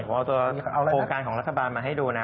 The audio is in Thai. ผมเอาตัวโครงการของรัฐบาลมาให้ดูนะ